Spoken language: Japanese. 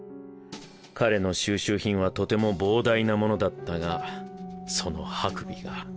彼の収集品はとても膨大なものだったがその白眉が。